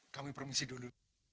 kami permisi dulu